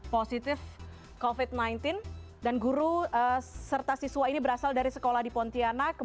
positif covid sembilan belas dan guru serta siswa ini berasal dari sekolah di pontianak